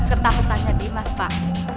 ketakutannya dimas pak